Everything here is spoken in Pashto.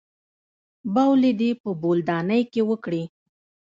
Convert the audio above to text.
بولې دې په بولدانۍ کښې وکړې.